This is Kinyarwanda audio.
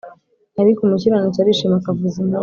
ariko umukiranutsi arishima akavuza impundu